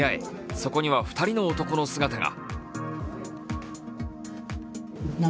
そこには２人の男の姿が。